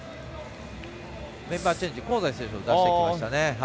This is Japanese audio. メンバーチェンジ香西選手を出してきましたね。